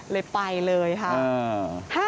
เลยไปเลยค่ะ